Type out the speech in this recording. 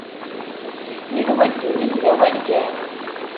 Nenwa ddunit d awal kan.